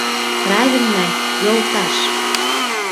Правильно, йолташ!